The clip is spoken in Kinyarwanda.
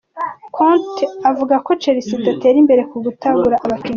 Conte avuga ko Chelsea idatera imbere ku kutagura abakinyi.